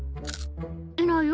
いないよ。